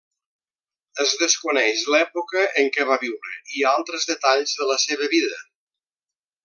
Es desconeix l'època en què va viure i altres detalls de la seva vida.